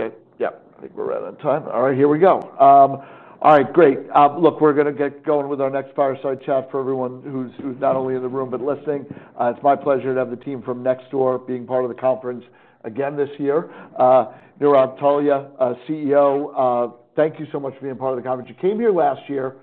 I think we can get, yeah, I think we're right on time. All right, here we go. All right, great. Look, we're going to get going with our Nextdoor Sarah Friar chat for everyone who's not only in the room but listening. It's my pleasure to have the team from Nextdoor being part of the conference again this year. Nirav Tolia, CEO, thank you so much for being a part of the conference. You came here last year,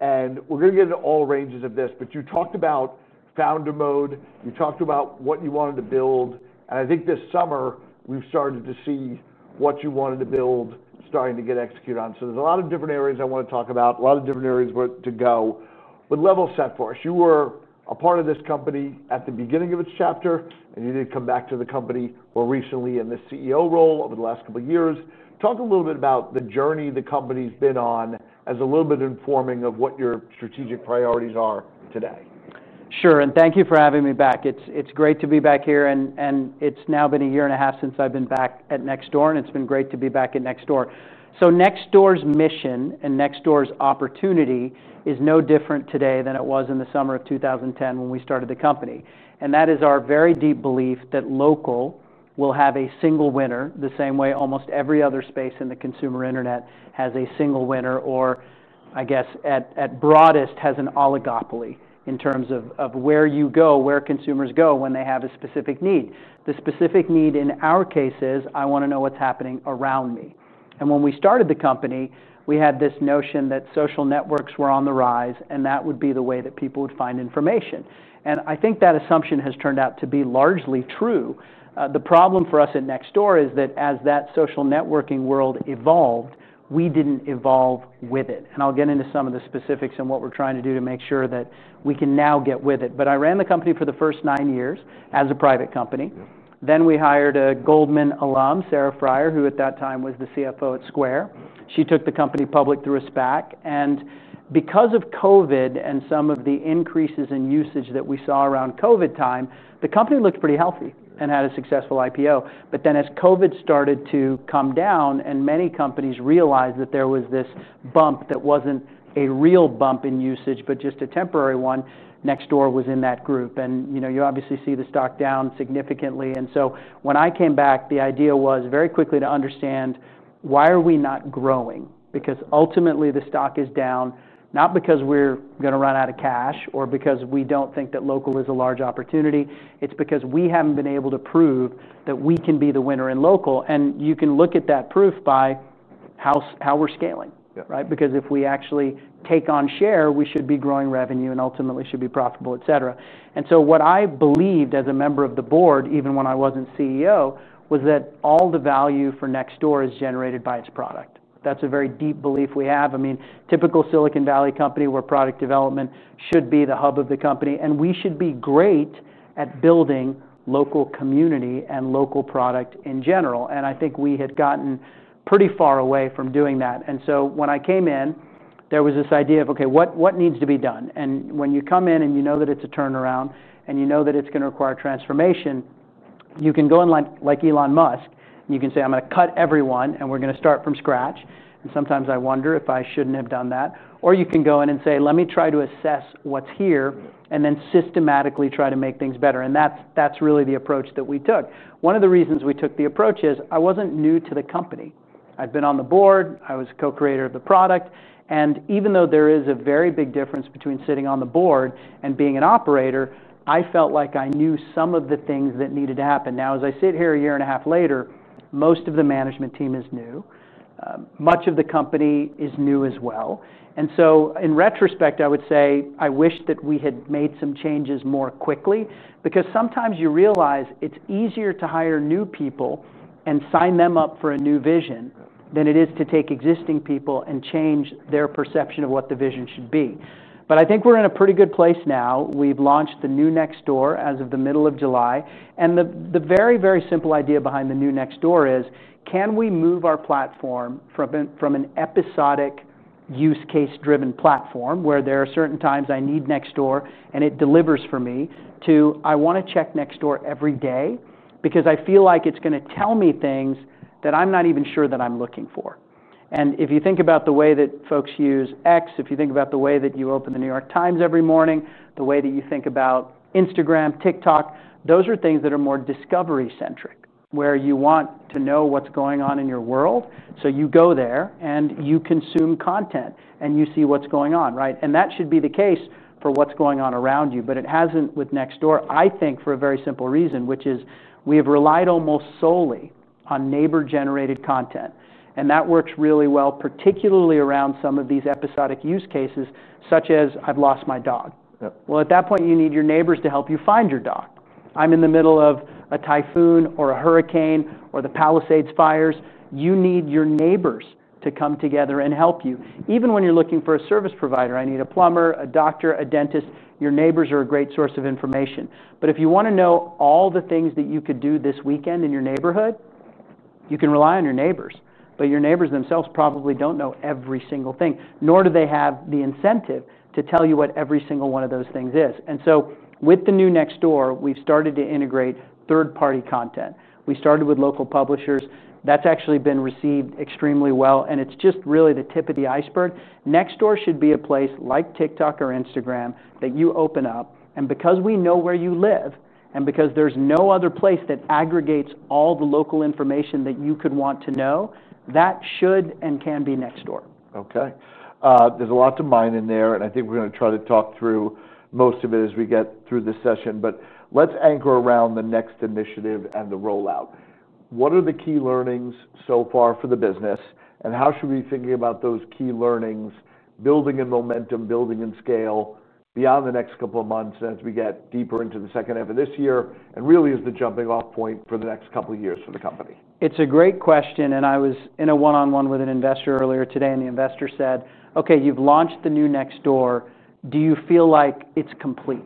and we're going to get into all ranges of this, but you talked about founder mode. You talked about what you wanted to build. I think this summer, we've started to see what you wanted to build starting to get executed on. There are a lot of different areas I want to talk about, a lot of different areas to go. Level set for us. You were a part of this company at the beginning of its chapter, and you did come back to the company more recently in the CEO role over the last couple of years. Talk a little bit about the journey the company's been on as a little bit of informing of what your strategic priorities are today. Sure, and thank you for having me back. It's great to be back here, and it's now been a year and a half since I've been back at Nextdoor, and it's been great to be back at Nextdoor. Nextdoor's mission and Nextdoor's opportunity is no different today than it was in the summer of 2010 when we started the company. That is our very deep belief that local will have a single winner the same way almost every other space in the consumer internet has a single winner, or at broadest has an oligopoly in terms of where you go, where consumers go when they have a specific need. The specific need in our case is, I want to know what's happening around me. When we started the company, we had this notion that social networks were on the rise, and that would be the way that people would find information. I think that assumption has turned out to be largely true. The problem for us at Nextdoor is that as that social networking world evolved, we didn't evolve with it. I'll get into some of the specifics and what we're trying to do to make sure that we can now get with it. I ran the company for the first nine years as a private company. Then we hired a Goldman Sachs alum, Sarah Friar, who at that time was the CFO at Square. She took the company public through a SPAC. Because of COVID and some of the increases in usage that we saw around COVID time, the company looked pretty healthy and had a successful IPO. As COVID started to come down and many companies realized that there was this bump that wasn't a real bump in usage, but just a temporary one, Nextdoor was in that group. You obviously see the stock down significantly. When I came back, the idea was very quickly to understand why are we not growing? Ultimately the stock is down, not because we're going to run out of cash or because we don't think that local is a large opportunity. It's because we haven't been able to prove that we can be the winner in local. You can look at that proof by how we're scaling, right? If we actually take on share, we should be growing revenue and ultimately should be profitable, etc. What I believed as a member of the board, even when I wasn't CEO, was that all the value for Nextdoor is generated by its product. That's a very deep belief we have. I mean, typical Silicon Valley company where product development should be the hub of the company, and we should be great at building local community and local product in general. I think we had gotten pretty far away from doing that. When I came in, there was this idea of, OK, what needs to be done? When you come in and you know that it's a turnaround and you know that it's going to require transformation, you can go in like Elon Musk. You can say, I'm going to cut everyone and we're going to start from scratch. Sometimes I wonder if I shouldn't have done that. You can go in and say, let me try to assess what's here and then systematically try to make things better. That's really the approach that we took. One of the reasons we took the approach is I wasn't new to the company. I've been on the board. I was co-creator of the product. Even though there is a very big difference between sitting on the board and being an operator, I felt like I knew some of the things that needed to happen. Now, as I sit here a year and a half later, most of the management team is new. Much of the company is new as well. In retrospect, I would say I wish that we had made some changes more quickly because sometimes you realize it's easier to hire new people and sign them up for a new vision than it is to take existing people and change their perception of what the vision should be. I think we're in a pretty good place now. We've launched the new Nextdoor as of the middle of July. The very, very simple idea behind the new Nextdoor is, can we move our platform from an episodic use case-driven platform where there are certain times I need Nextdoor and it delivers for me to I want to check Nextdoor every day because I feel like it's going to tell me things that I'm not even sure that I'm looking for. If you think about the way that folks use X, if you think about the way that you open the New York Times every morning, the way that you think about Instagram, TikTok, those are things that are more discovery-centric, where you want to know what's going on in your world. You go there and you consume content and you see what's going on, right? That should be the case for what's going on around you. It hasn't with Nextdoor, I think, for a very simple reason, which is we have relied almost solely on neighbor-generated content. That works really well, particularly around some of these episodic use cases, such as I've lost my dog. At that point, you need your neighbors to help you find your dog. I'm in the middle of a typhoon or a hurricane or the Palisades fires. You need your neighbors to come together and help you. Even when you're looking for a service provider, I need a plumber, a doctor, a dentist. Your neighbors are a great source of information. If you want to know all the things that you could do this weekend in your neighborhood, you can rely on your neighbors. Your neighbors themselves probably don't know every single thing, nor do they have the incentive to tell you what every single one of those things is. With the new Nextdoor, we've started to integrate third-party content. We started with local publishers. That's actually been received extremely well. It's just really the tip of the iceberg. Nextdoor should be a place like TikTok or Instagram that you open up. Because we know where you live and because there's no other place that aggregates all the local information that you could want to know, that should and can be Nextdoor. OK. There's a lot to mine in there. I think we're going to try to talk through most of it as we get through this session. Let's anchor around the next initiative and the rollout. What are the key learnings so far for the business? How should we be thinking about those key learnings, building in momentum, building in scale beyond the next couple of months as we get deeper into the second half of this year and really as the jumping-off point for the next couple of years for the company? It's a great question. I was in a one-on-one with an investor earlier today. The investor said, OK, you've launched the new Nextdoor. Do you feel like it's complete?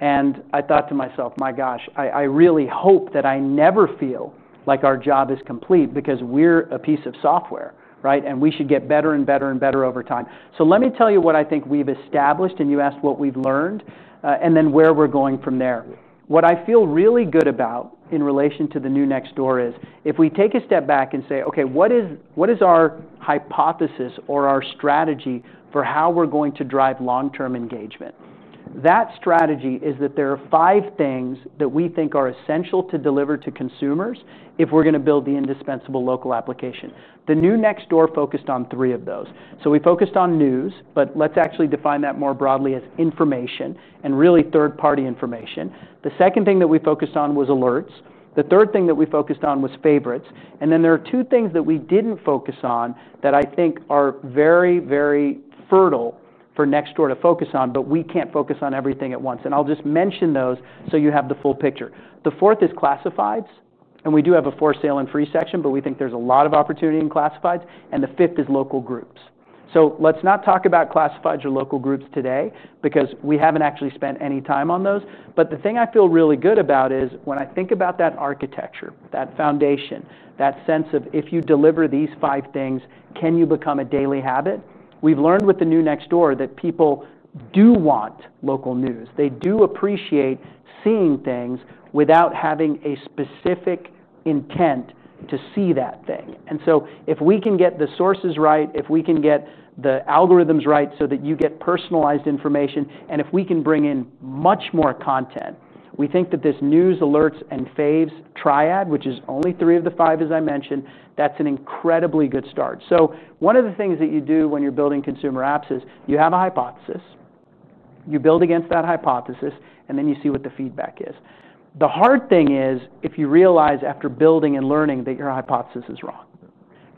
I thought to myself, my gosh, I really hope that I never feel like our job is complete because we're a piece of software, right? We should get better and better and better over time. Let me tell you what I think we've established. You asked what we've learned and then where we're going from there. What I feel really good about in relation to the new Nextdoor is if we take a step back and say, OK, what is our hypothesis or our strategy for how we're going to drive long-term engagement? That strategy is that there are five things that we think are essential to deliver to consumers if we're going to build the indispensable local application. The new Nextdoor focused on three of those. We focused on news, but let's actually define that more broadly as information and really third-party information. The second thing that we focused on was alerts. The third thing that we focused on was favorites. There are two things that we didn't focus on that I think are very, very fertile for Nextdoor to focus on, but we can't focus on everything at once. I'll just mention those so you have the full picture. The fourth is classifieds. We do have a for sale and free section, but we think there's a lot of opportunity in classifieds. The fifth is local groups. Let's not talk about classifieds or local groups today because we haven't actually spent any time on those. The thing I feel really good about is when I think about that architecture, that foundation, that sense of if you deliver these five things, can you become a daily habit? We've learned with the new Nextdoor that people do want local news. They do appreciate seeing things without having a specific intent to see that thing. If we can get the sources right, if we can get the algorithms right so that you get personalized information, and if we can bring in much more content, we think that this news, alerts, and Faves triad, which is only three of the five, as I mentioned, that's an incredibly good start. One of the things that you do when you're building consumer apps is you have a hypothesis. You build against that hypothesis, and then you see what the feedback is. The hard thing is if you realize after building and learning that your hypothesis is wrong.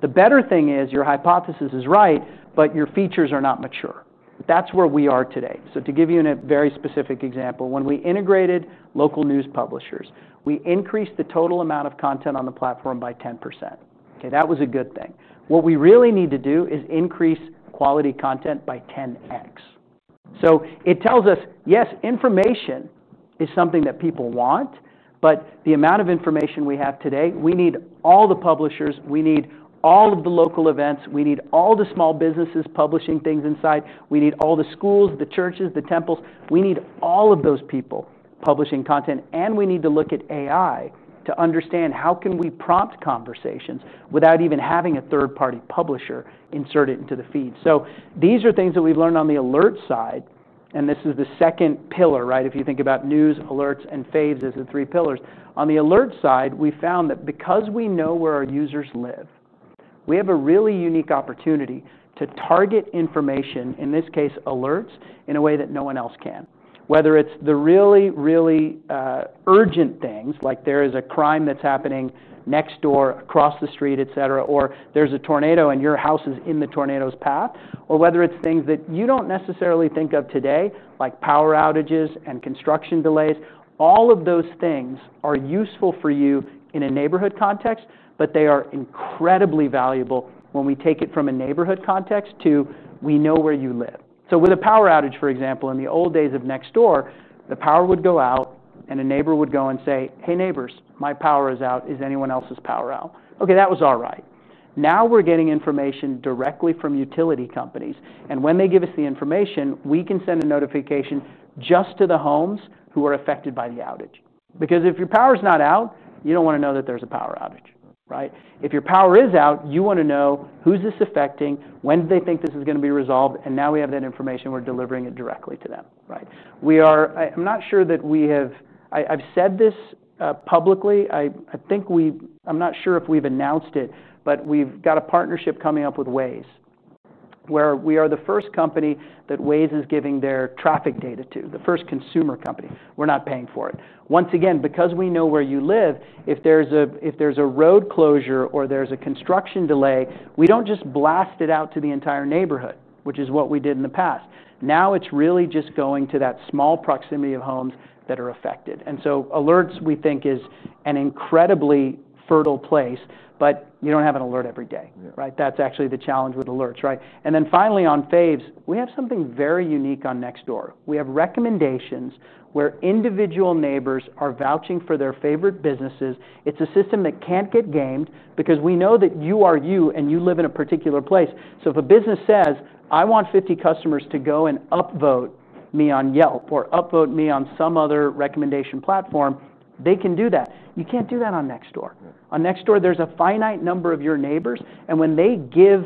The better thing is your hypothesis is right, but your features are not mature. That's where we are today. To give you a very specific example, when we integrated local news publishers, we increased the total amount of content on the platform by 10%. That was a good thing. What we really need to do is increase quality content by 10x. It tells us, yes, information is something that people want, but the amount of information we have today, we need all the publishers. We need all of the local events. We need all the small businesses publishing things inside. We need all the schools, the churches, the temples. We need all of those people publishing content. We need to look at AI to understand how can we prompt conversations without even having a third-party publisher inserted into the feed. These are things that we've learned on the alert side. This is the second pillar, right? If you think about news, alerts, and Faves as the three pillars, on the alert side, we found that because we know where our users live, we have a really unique opportunity to target information, in this case, alerts, in a way that no one else can. Whether it's the really, really urgent things, like there is a crime that's happening next door, across the street, et cetera, or there's a tornado and your house is in the tornado's path, or whether it's things that you don't necessarily think of today, like power outages and construction delays, all of those things are useful for you in a neighborhood context, but they are incredibly valuable when we take it from a neighborhood context to we know where you live. With a power outage, for example, in the old days of Nextdoor, the power would go out and a neighbor would go and say, hey, neighbors, my power is out. Is anyone else's power out? That was all right. Now we're getting information directly from utility companies. When they give us the information, we can send a notification just to the homes who are affected by the outage. If your power is not out, you don't want to know that there's a power outage, right? If your power is out, you want to know who's this affecting, when do they think this is going to be resolved? Now we have that information. We're delivering it directly to them. I'm not sure that we have—I’ve said this publicly. I think we have a partnership coming up with Waze, where we are the first company that Waze is giving their traffic data to, the first consumer company. We're not paying for it. Once again, because we know where you live, if there's a road closure or there's a construction delay, we don't just blast it out to the entire neighborhood, which is what we did in the past. Now it's really just going to that small proximity of homes that are affected. Alerts, we think, is an incredibly fertile place, but you don't have an alert every day, right? That's actually the challenge with alerts, right? Finally, on Faves, we have something very unique on Nextdoor. We have recommendations where individual neighbors are vouching for their favorite businesses. It's a system that can't get gamed because we know that you are you and you live in a particular place. If a business says, I want 50 customers to go and upvote me on Yelp or upvote me on some other recommendation platform, they can do that. You can't do that on Nextdoor. On Nextdoor, there's a finite number of your neighbors. When they give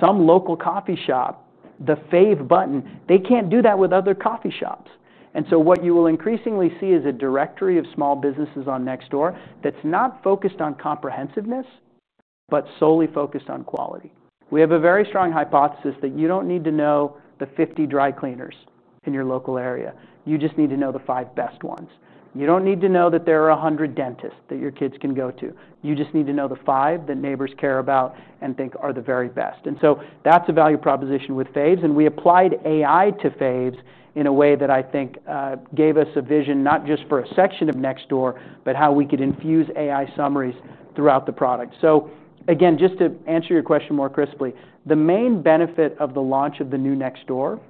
some local coffee shop the Fave button, they can't do that with other coffee shops. What you will increasingly see is a directory of small businesses on Nextdoor that's not focused on comprehensiveness, but solely focused on quality. We have a very strong hypothesis that you don't need to know the 50 dry cleaners in your local area. You just need to know the five best ones. You don't need to know that there are 100 dentists that your kids can go to. You just need to know the five that neighbors care about and think are the very best. That's a value proposition with Faves. We applied AI to Faves in a way that I think gave us a vision not just for a section of Nextdoor, but how we could infuse AI summaries throughout the product. Again, just to answer your question more crisply, the main benefit of the launch of the new Nextdoor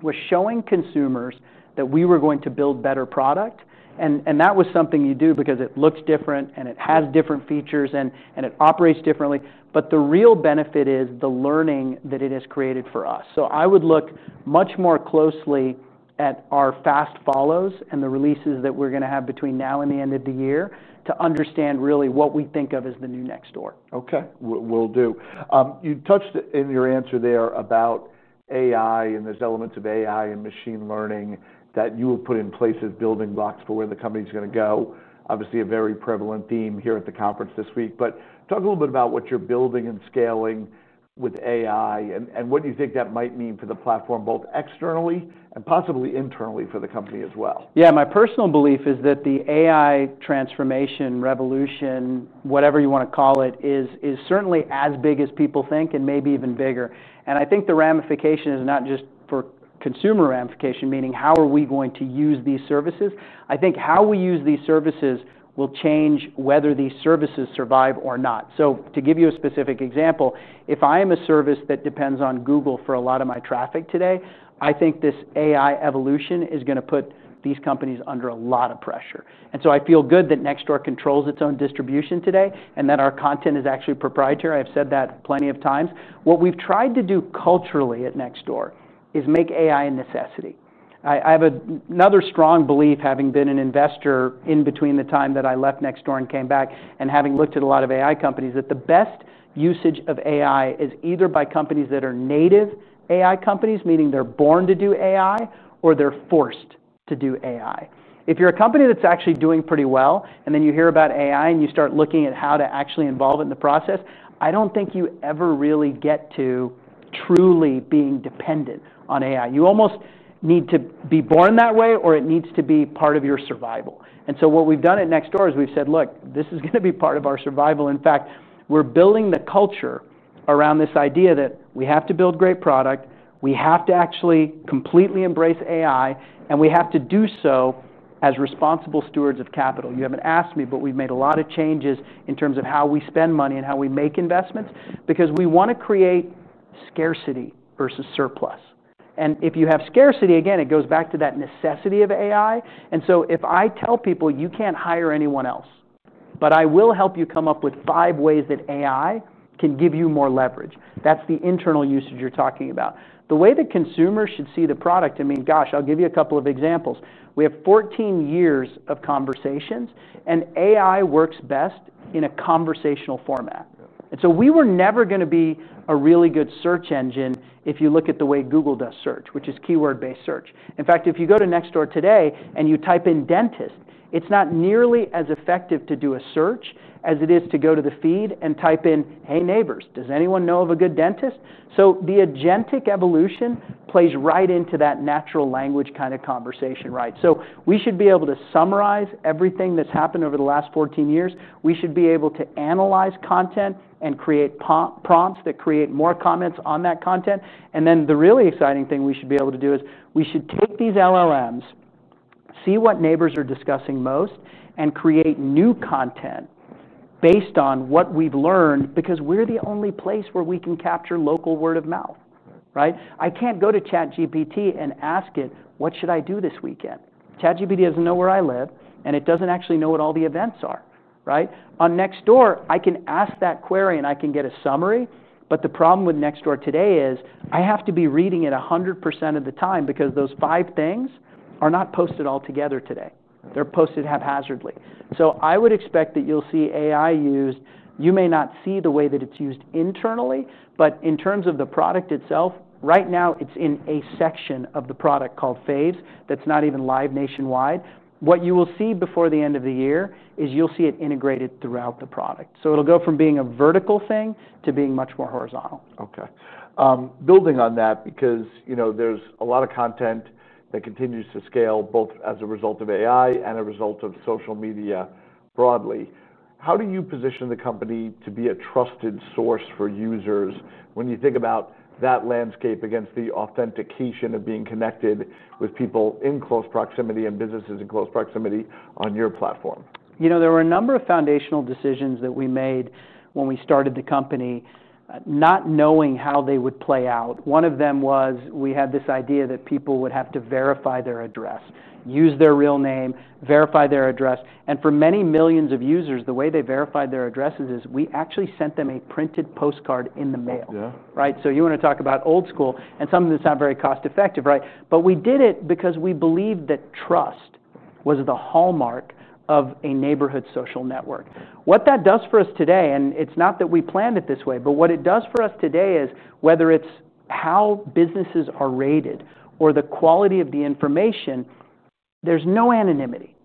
was showing consumers that we were going to build better product. That was something you do because it looks different and it has different features and it operates differently. The real benefit is the learning that it has created for us. I would look much more closely at our fast follows and the releases that we're going to have between now and the end of the year to understand really what we think of as the new Nextdoor. OK, will do. You touched in your answer there about AI and those elements of AI and machine learning that you will put in place as building blocks for where the company is going to go. Obviously, a very prevalent theme here at the conference this week. Talk a little bit about what you're building and scaling with AI and what you think that might mean for the platform, both externally and possibly internally for the company as well. Yeah, my personal belief is that the AI transformation, revolution, whatever you want to call it, is certainly as big as people think and maybe even bigger. I think the ramification is not just for consumer ramification, meaning how are we going to use these services? I think how we use these services will change whether these services survive or not. To give you a specific example, if I am a service that depends on Google for a lot of my traffic today, I think this AI evolution is going to put these companies under a lot of pressure. I feel good that Nextdoor controls its own distribution today and that our content is actually proprietary. I've said that plenty of times. What we've tried to do culturally at Nextdoor is make AI a necessity. I have another strong belief, having been an investor in between the time that I left Nextdoor and came back and having looked at a lot of AI companies, that the best usage of AI is either by companies that are native AI companies, meaning they're born to do AI, or they're forced to do AI. If you're a company that's actually doing pretty well and then you hear about AI and you start looking at how to actually involve it in the process, I don't think you ever really get to truly being dependent on AI. You almost need to be born that way or it needs to be part of your survival. What we've done at Nextdoor is we've said, look, this is going to be part of our survival. In fact, we're building the culture around this idea that we have to build great product. We have to actually completely embrace AI. We have to do so as responsible stewards of capital. You haven't asked me, but we've made a lot of changes in terms of how we spend money and how we make investments because we want to create scarcity versus surplus. If you have scarcity, again, it goes back to that necessity of AI. If I tell people you can't hire anyone else, but I will help you come up with five ways that AI can give you more leverage, that's the internal usage you're talking about. The way that consumers should see the product, I mean, gosh, I'll give you a couple of examples. We have 14 years of conversations, and AI works best in a conversational format. We were never going to be a really good search engine if you look at the way Google does search, which is keyword-based search. In fact, if you go to Nextdoor today and you type in dentist, it's not nearly as effective to do a search as it is to go to the feed and type in, hey, neighbors, does anyone know of a good dentist? The agentic evolution plays right into that natural language kind of conversation, right? We should be able to summarize everything that's happened over the last 14 years. We should be able to analyze content and create prompts that create more comments on that content. The really exciting thing we should be able to do is we should take these LLMs, see what neighbors are discussing most, and create new content based on what we've learned because we're the only place where we can capture local word of mouth, right? I can't go to ChatGPT and ask it, what should I do this weekend? ChatGPT doesn't know where I live, and it doesn't actually know what all the events are, right? On Nextdoor, I can ask that query, and I can get a summary. The problem with Nextdoor today is I have to be reading it 100% of the time because those five things are not posted altogether today. They're posted haphazardly. I would expect that you'll see AI used. You may not see the way that it's used internally, but in terms of the product itself, right now it's in a section of the product called Faves that's not even live nationwide. What you will see before the end of the year is you'll see it integrated throughout the product. It'll go from being a vertical thing to being much more horizontal. OK. Building on that, because there's a lot of content that continues to scale both as a result of AI and a result of social media broadly, how do you position the company to be a trusted source for users when you think about that landscape against the authentication of being connected with people in close proximity and businesses in close proximity on your platform? You know, there were a number of foundational decisions that we made when we started the company, not knowing how they would play out. One of them was we had this idea that people would have to verify their address, use their real name, verify their address. For many millions of users, the way they verified their addresses is we actually sent them a printed postcard in the mail, right? You want to talk about old school and something that's not very cost-effective, right? We did it because we believed that trust was the hallmark of a neighborhood social network. What that does for us today, and it's not that we planned it this way, but what it does for us today is whether it's how businesses are rated or the quality of the information, there's no anonymity.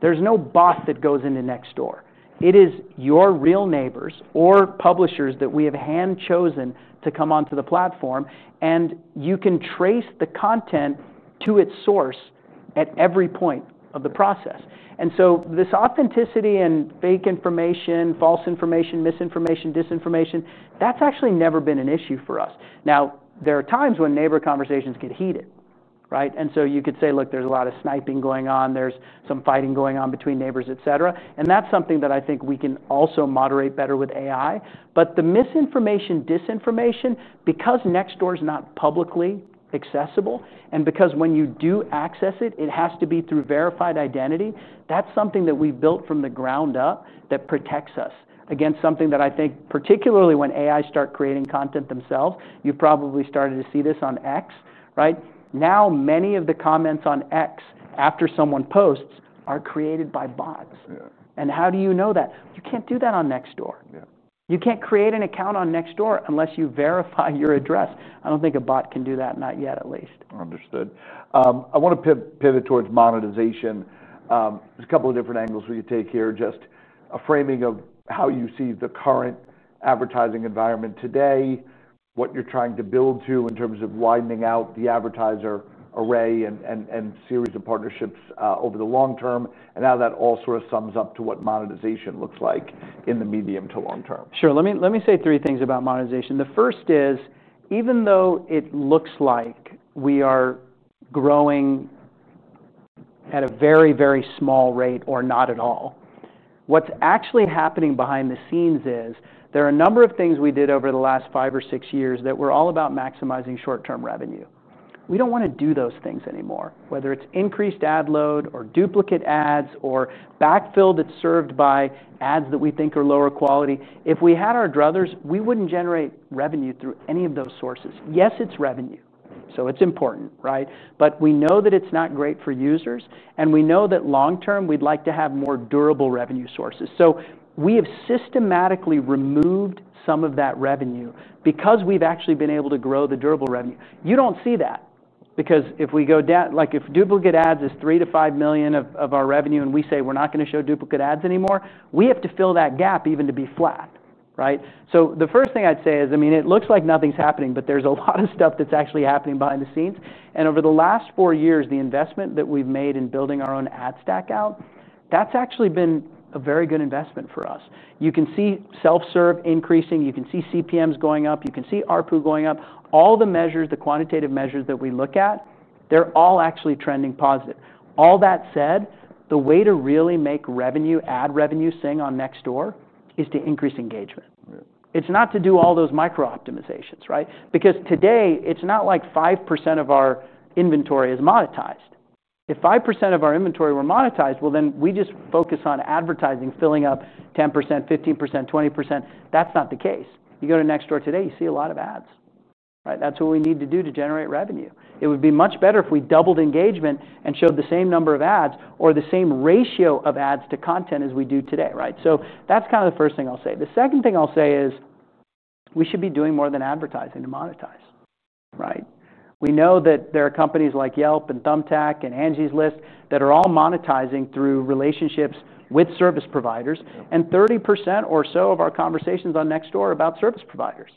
There's no boss that goes into Nextdoor. It is your real neighbors or publishers that we have hand-chosen to come onto the platform. You can trace the content to its source at every point of the process. This authenticity and fake information, false information, misinformation, disinformation, that's actually never been an issue for us. There are times when neighbor conversations get heated, right? You could say, look, there's a lot of sniping going on. There's some fighting going on between neighbors, et cetera. That's something that I think we can also moderate better with AI. The misinformation, disinformation, because Nextdoor is not publicly accessible and because when you do access it, it has to be through verified identity, that's something that we've built from the ground up that protects us against something that I think, particularly when AI starts creating content themselves, you probably started to see this on X, right? Now, many of the comments on X after someone posts are created by bots. How do you know that? You can't do that on Nextdoor. You can't create an account on Nextdoor unless you verify your address. I don't think a bot can do that, not yet at least. Understood. I want to pivot towards monetization. There's a couple of different angles we could take here, just a framing of how you see the current advertising environment today, what you're trying to build to in terms of widening out the advertiser array and series of partnerships over the long term, and how that all sort of sums up to what monetization looks like in the medium to long term. Sure. Let me say three things about monetization. The first is, even though it looks like we are growing at a very, very small rate or not at all, what's actually happening behind the scenes is there are a number of things we did over the last five or six years that were all about maximizing short-term revenue. We don't want to do those things anymore, whether it's increased ad load or duplicate ads or backfill that's served by ads that we think are lower quality. If we had our druthers, we wouldn't generate revenue through any of those sources. Yes, it's revenue. It's important, right? We know that it's not great for users. We know that long term, we'd like to have more durable revenue sources. We have systematically removed some of that revenue because we've actually been able to grow the durable revenue. You don't see that because if we go down, like if duplicate ads is $3 million to $5 million of our revenue and we say we're not going to show duplicate ads anymore, we have to fill that gap even to be flat, right? The first thing I'd say is, I mean, it looks like nothing's happening, but there's a lot of stuff that's actually happening behind the scenes. Over the last four years, the investment that we've made in building our own proprietary ad stack out, that's actually been a very good investment for us. You can see self-serve advertising increasing. You can see CPMs going up. You can see ARPU going up. All the measures, the quantitative measures that we look at, they're all actually trending positive. All that said, the way to really make ad revenue sing on Nextdoor is to increase engagement. It's not to do all those micro-optimizations, right? Today, it's not like 5% of our inventory is monetized. If 5% of our inventory were monetized, well, then we just focus on advertising, filling up 10%, 15%, 20%. That's not the case. You go to Nextdoor today, you see a lot of ads, right? That's what we need to do to generate revenue. It would be much better if we doubled engagement and showed the same number of ads or the same ratio of ads to content as we do today, right? That's kind of the first thing I'll say. The second thing I'll say is we should be doing more than advertising to monetize, right? We know that there are companies like Yelp and Thumbtack and Angie's List that are all monetizing through relationships with service providers. 30% or so of our conversations on Nextdoor are about service providers.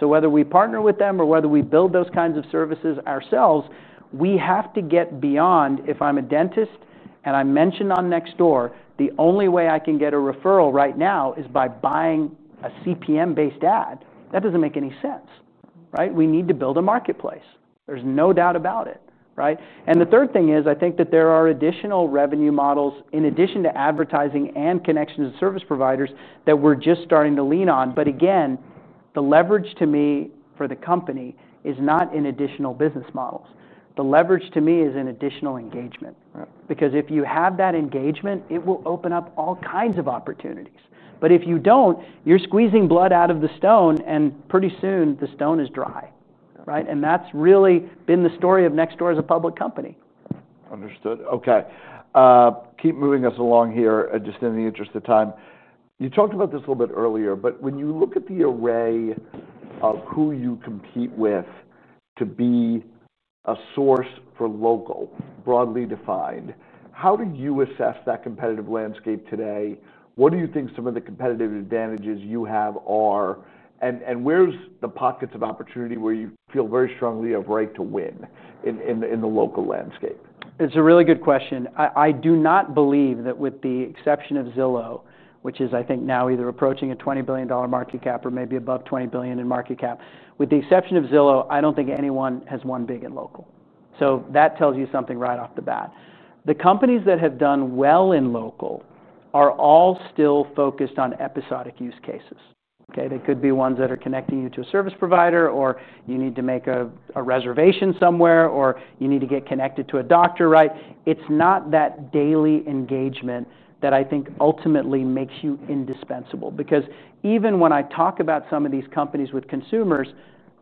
Whether we partner with them or whether we build those kinds of services ourselves, we have to get beyond. If I'm a dentist and I mention on Nextdoor, the only way I can get a referral right now is by buying a CPM-based ad. That doesn't make any sense, right? We need to build a marketplace. There's no doubt about it, right? The third thing is I think that there are additional revenue models in addition to advertising and connections to service providers that we're just starting to lean on. Again, the leverage to me for the company is not in additional business models. The leverage to me is in additional engagement. If you have that engagement, it will open up all kinds of opportunities. If you don't, you're squeezing blood out of the stone, and pretty soon, the stone is dry, right? That's really been the story of Nextdoor as a public company. Understood. OK. Keep moving us along here just in the interest of time. You talked about this a little bit earlier. When you look at the array of who you compete with to be a source for local, broadly defined, how do you assess that competitive landscape today? What do you think some of the competitive advantages you have are? Where are the pockets of opportunity where you feel very strongly you have right to win in the local landscape? It's a really good question. I do not believe that, with the exception of Zillow, which is, I think, now either approaching a $20 billion market cap or maybe above $20 billion in market cap, with the exception of Zillow, I don't think anyone has won big in local. That tells you something right off the bat. The companies that have done well in local are all still focused on episodic use cases. They could be ones that are connecting you to a service provider, or you need to make a reservation somewhere, or you need to get connected to a doctor, right? It's not that daily engagement that I think ultimately makes you indispensable. Because even when I talk about some of these companies with consumers,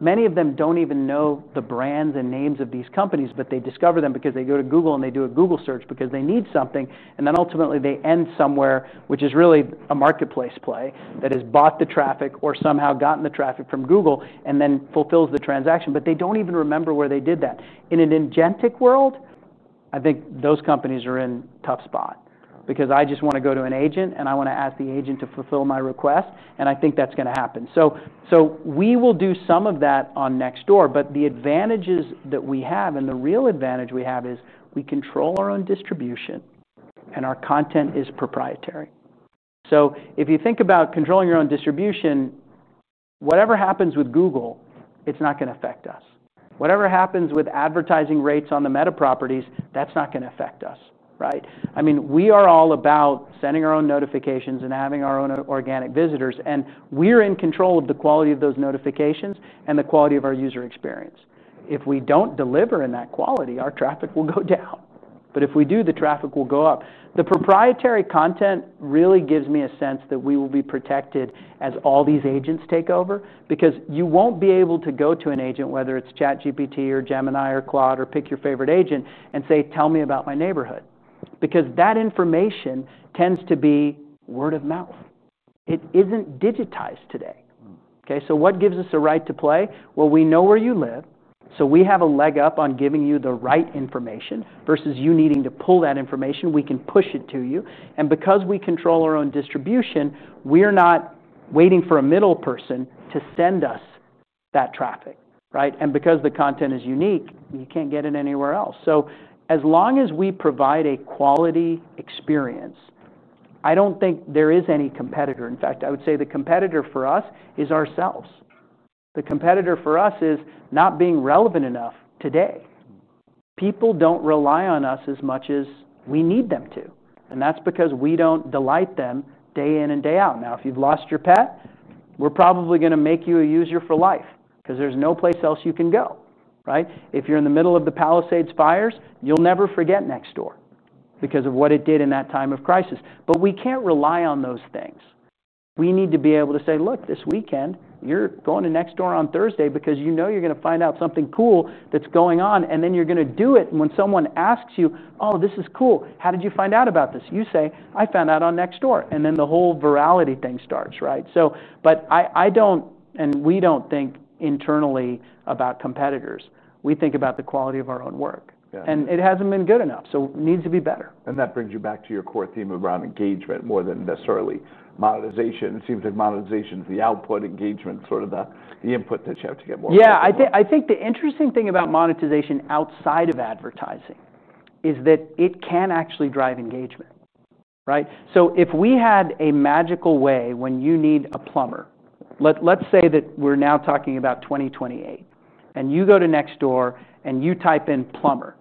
many of them don't even know the brands and names of these companies, but they discover them because they go to Google and they do a Google search because they need something. Then ultimately, they end somewhere, which is really a marketplace play that has bought the traffic or somehow gotten the traffic from Google and then fulfills the transaction. They don't even remember where they did that. In an agentic world, I think those companies are in a tough spot because I just want to go to an agent and I want to ask the agent to fulfill my request. I think that's going to happen. We will do some of that on Nextdoor. The advantages that we have, and the real advantage we have, is we control our own distribution and our content is proprietary. If you think about controlling your own distribution, whatever happens with Google, it's not going to affect us. Whatever happens with advertising rates on the meta properties, that's not going to affect us, right? I mean, we are all about sending our own notifications and having our own organic visitors. We're in control of the quality of those notifications and the quality of our user experience. If we don't deliver in that quality, our traffic will go down. If we do, the traffic will go up. The proprietary content really gives me a sense that we will be protected as all these agents take over because you won't be able to go to an agent, whether it's ChatGPT or Gemini or Claude or pick your favorite agent, and say, tell me about my neighborhood. That information tends to be word of mouth. It isn't digitized today. OK, what gives us a right to play? We know where you live. We have a leg up on giving you the right information versus you needing to pull that information. We can push it to you, and because we control our own distribution, we're not waiting for a middle person to send us that traffic, right? Because the content is unique, you can't get it anywhere else. As long as we provide a quality experience, I don't think there is any competitor. In fact, I would say the competitor for us is ourselves. The competitor for us is not being relevant enough today. People don't rely on us as much as we need them to, and that's because we don't delight them day in and day out. If you've lost your pet, we're probably going to make you a user for life because there's no place else you can go, right? If you're in the middle of the Palisades fires, you'll never forget Nextdoor because of what it did in that time of crisis. We can't rely on those things. We need to be able to say, look, this weekend, you're going to Nextdoor on Thursday because you know you're going to find out something cool that's going on, and then you're going to do it. When someone asks you, oh, this is cool. How did you find out about this? You say, I found out on Nextdoor, and then the whole virality thing starts, right? We don't think internally about competitors. We think about the quality of our own work, and it hasn't been good enough. It needs to be better. That brings you back to your core theme around engagement more than necessarily monetization. It seems like monetization is the output. Engagement is sort of the input that you have to get more. Yeah, I think the interesting thing about monetization outside of advertising is that it can actually drive engagement, right? If we had a magical way when you need a plumber, let's say that we're now talking about 2028, and you go to Nextdoor and you type in plumber,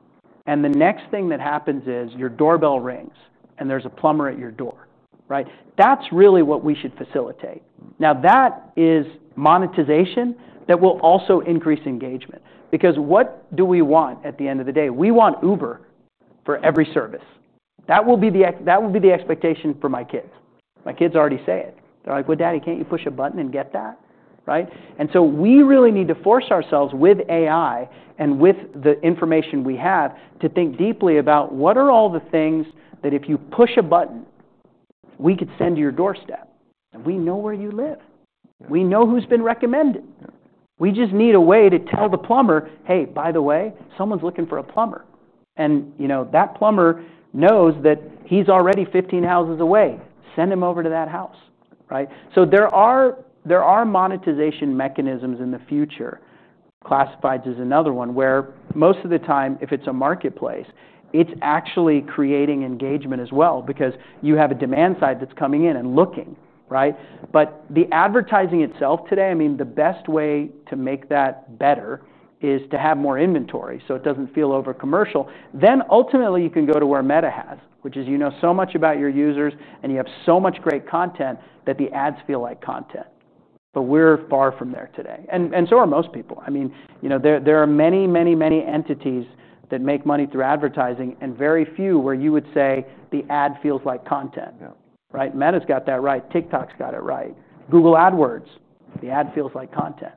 the next thing that happens is your doorbell rings and there's a plumber at your door, right? That's really what we should facilitate. That is monetization that will also increase engagement. What do we want at the end of the day? We want Uber for every service. That will be the expectation for my kids. My kids already say it. They're like, well, Daddy, can't you push a button and get that, right? We really need to force ourselves with AI and with the information we have to think deeply about what are all the things that if you push a button, we could send to your doorstep. We know where you live. We know who's been recommended. We just need a way to tell the plumber, hey, by the way, someone's looking for a plumber, and that plumber knows that he's already 15 houses away. Send him over to that house, right? There are monetization mechanisms in the future. Classifieds is another one where most of the time, if it's a marketplace, it's actually creating engagement as well because you have a demand side that's coming in and looking, right? The advertising itself today, I mean, the best way to make that better is to have more inventory so it doesn't feel overcommercial. Ultimately, you can go to where Meta has, which is you know so much about your users and you have so much great content that the ads feel like content. We're far from there today, and so are most people. There are many, many, many entities that make money through advertising and very few where you would say the ad feels like content, right? Meta's got that right. TikTok's got it right. Google AdWords, the ad feels like content.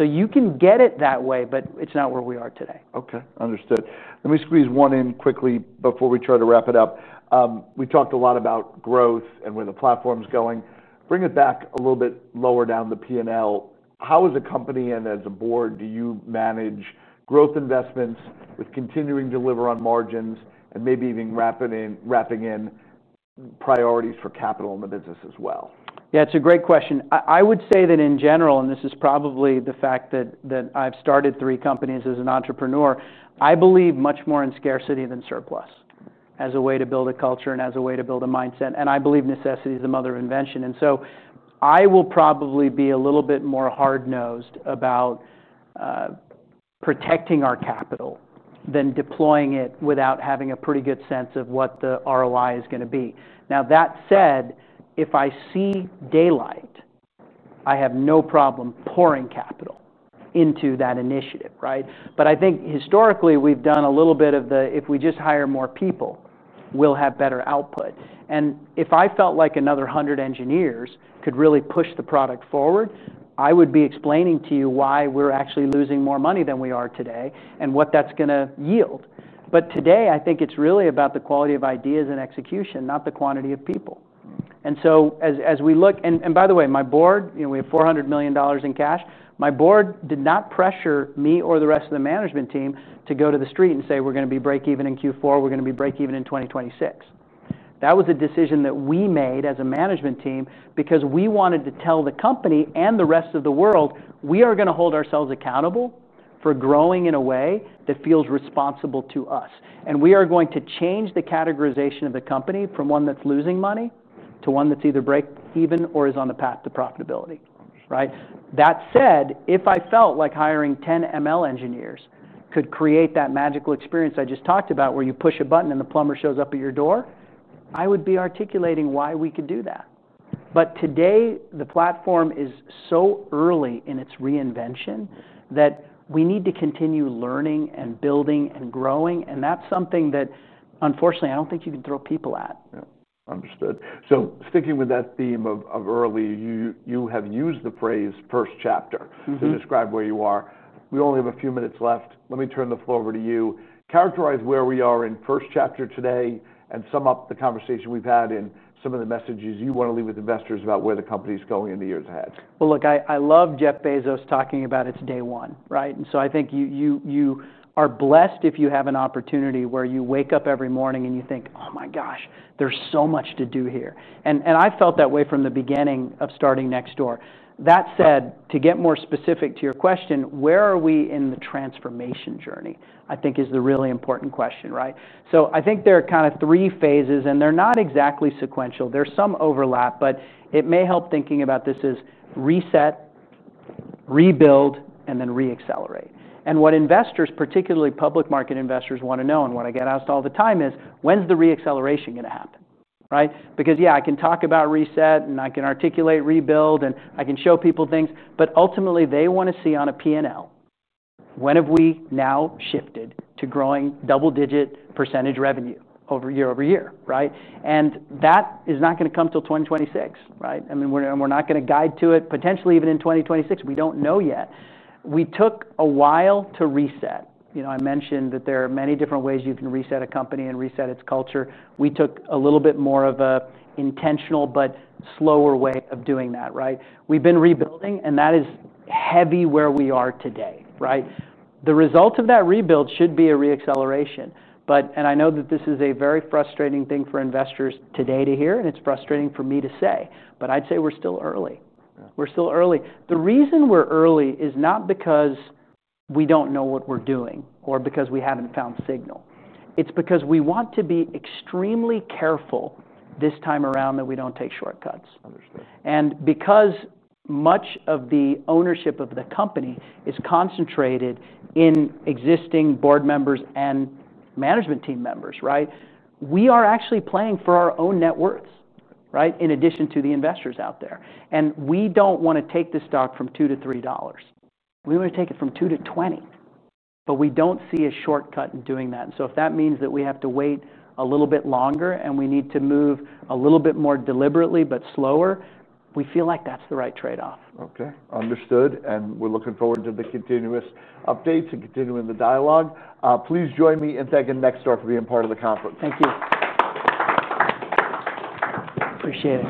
You can get it that way, but it's not where we are today. OK, understood. Let me squeeze one in quickly before we try to wrap it up. We talked a lot about growth and where the platform's going. Bring it back a little bit lower down the P&L. How as a company and as a board, do you manage growth investments with continuing to deliver on margins and maybe even wrapping in priorities for capital in the business as well? Yeah, it's a great question. I would say that in general, and this is probably the fact that I've started three companies as an entrepreneur, I believe much more in scarcity than surplus as a way to build a culture and as a way to build a mindset. I believe necessity is the mother of invention. I will probably be a little bit more hard-nosed about protecting our capital than deploying it without having a pretty good sense of what the ROI is going to be. That said, if I see daylight, I have no problem pouring capital into that initiative, right? I think historically, we've done a little bit of the, if we just hire more people, we'll have better output. If I felt like another 100 engineers could really push the product forward, I would be explaining to you why we're actually losing more money than we are today and what that's going to yield. Today, I think it's really about the quality of ideas and execution, not the quantity of people. As we look, and by the way, my board, you know, we have $400 million in cash. My board did not pressure me or the rest of the management team to go to the street and say, we're going to be break-even in Q4. We're going to be break-even in 2026. That was a decision that we made as a management team because we wanted to tell the company and the rest of the world, we are going to hold ourselves accountable for growing in a way that feels responsible to us. We are going to change the categorization of the company from one that's losing money to one that's either break-even or is on the path to profitability, right? That said, if I felt like hiring 10 ML engineers could create that magical experience I just talked about where you push a button and the plumber shows up at your door, I would be articulating why we could do that. Today, the platform is so early in its reinvention that we need to continue learning and building and growing. That's something that, unfortunately, I don't think you can throw people at. Understood. Sticking with that theme of early, you have used the phrase first chapter to describe where you are. We only have a few minutes left. Let me turn the floor over to you. Characterize where we are in first chapter today and sum up the conversation we've had and some of the messages you want to leave with investors about where the company is going in the years ahead. I love Jeff Bezos talking about it's day one, right? I think you are blessed if you have an opportunity where you wake up every morning and you think, oh my gosh, there's so much to do here. I felt that way from the beginning of starting Nextdoor. That said, to get more specific to your question, where are we in the transformation journey, I think is the really important question, right? I think there are kind of three phases, and they're not exactly sequential. There's some overlap, but it may help thinking about this as reset, rebuild, and then reaccelerate. What investors, particularly public market investors, want to know and what I get asked all the time is, when's the reacceleration going to happen, right? Yeah, I can talk about reset, and I can articulate rebuild, and I can show people things. Ultimately, they want to see on a P&L, when have we now shifted to growing double-digit % revenue year over year, right? That is not going to come till 2026, right? I mean, we're not going to guide to it. Potentially, even in 2026, we don't know yet. We took a while to reset. I mentioned that there are many different ways you can reset a company and reset its culture. We took a little bit more of an intentional but slower way of doing that, right? We've been rebuilding, and that is heavy where we are today, right? The result of that rebuild should be a reacceleration. I know that this is a very frustrating thing for investors today to hear, and it's frustrating for me to say. I'd say we're still early. We're still early. The reason we're early is not because we don't know what we're doing or because we haven't found signal. It's because we want to be extremely careful this time around that we don't take shortcuts. Because much of the ownership of the company is concentrated in existing board members and management team members, right, we are actually playing for our own net worth, right, in addition to the investors out there. We don't want to take the stock from $2 to $3. We want to take it from $2 to $20. We don't see a shortcut in doing that. If that means that we have to wait a little bit longer and we need to move a little bit more deliberately but slower, we feel like that's the right trade-off. OK, understood. We're looking forward to the continuous updates and continuing the dialogue. Please join me in thanking Nextdoor for being part of the conference. Thank you. Appreciate it.